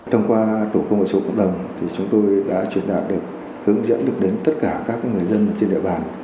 thông qua tổ công nghệ số cộng đồng thì chúng tôi đã truyền đạt được hướng dẫn được đến tất cả các người dân trên địa bàn